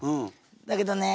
だけどね